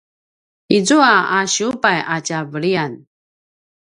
izua a siubay a tja veliyan